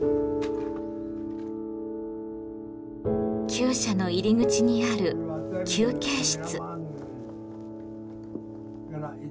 きゅう舎の入り口にある休憩室。